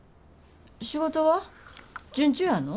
仕事は順調やの？